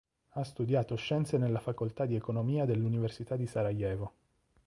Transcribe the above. Ha studiato scienze nella facoltà di economia dell'Università di Sarajevo.